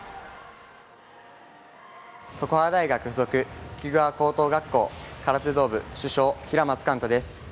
常葉大学付属菊川高等学校空手道部主将・平松寛太です。